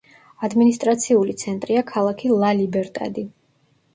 ადმინისტრაციული ცენტრია ქალაქი ლა-ლიბერტადი.